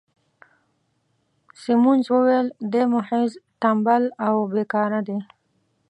سیمونز وویل: دی محض ټمبل او بې کاره دی.